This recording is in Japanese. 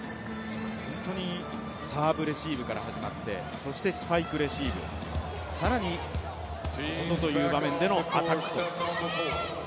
サーブレシーブから始まって、そしてスパイクレシーブ、更にここぞという場面でのアタック。